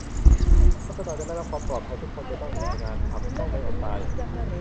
ราษฎรจะได้รับความปลอดภัย ทุกคนจะต้องมีงานทำไม่ต้องอดตาย